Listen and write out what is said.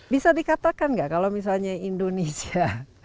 bisa dikatakan nggak kalau misalnya indonesia